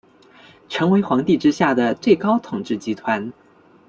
成为皇帝之下的最高统治集团。